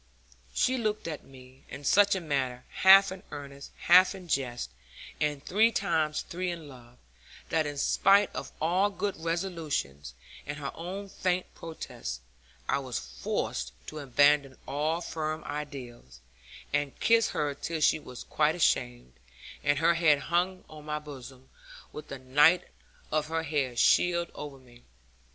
She looked at me in such a manner, half in earnest, half in jest, and three times three in love, that in spite of all good resolutions, and her own faint protest, I was forced to abandon all firm ideas, and kiss her till she was quite ashamed, and her head hung on my bosom, with the night of her hair shed over me.